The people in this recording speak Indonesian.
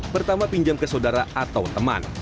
pertama pinjam ke saudara atau teman